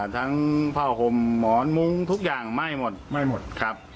ทั้งผ้าห่มหมอนมุ้งทุกอย่างไหม้หมดไหม้หมดครับ